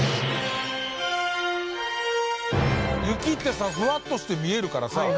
雪ってさふわっとして見えるからさ